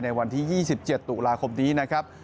วันที่๒๗ตุลาคมนี้นะครับ